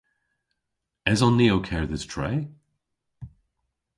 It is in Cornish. Eson ni ow kerdhes tre?